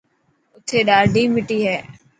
اٿي ڏاڌي مٽي هي.